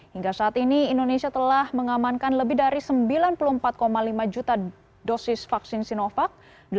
hingga saat ini indonesia telah mengamankan lebih dari sembilan puluh empat lima juta dosis vaksin sinovac